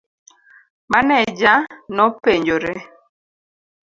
Maneja nopenjore.